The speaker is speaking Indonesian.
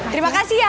terima kasih ya